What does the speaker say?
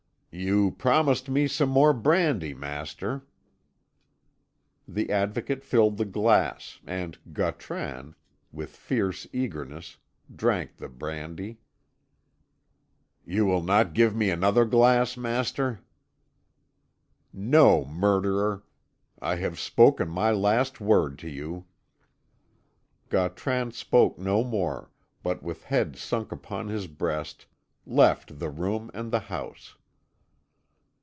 "You promised me some more brandy, master." The Advocate filled the glass, and Gautran, with fierce eagerness, drank the brandy. "You will not give me another glass, master?" "No, murderer. I have spoken my last word to you." Gautran spoke no more, but with head sunk upon his breast, left the room and the house.